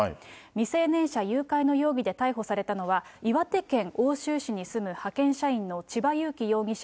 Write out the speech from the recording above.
未成年者誘拐の容疑で逮捕されたのは、岩手県奥州市に住む派遣社員の千葉裕生容疑者